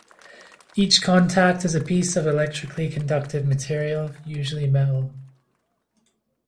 Each contact is a piece of electrically conductive material, usually metal.